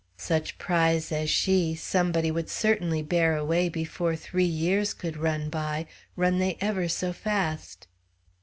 Such prize as she, somebody would certainly bear away before three years could run by, run they ever so fast.